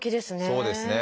そうですね。